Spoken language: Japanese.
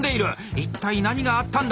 一体何があったんだ！